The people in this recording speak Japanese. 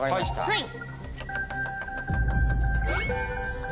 はい！